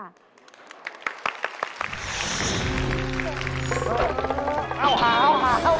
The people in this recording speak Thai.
เอ้าหา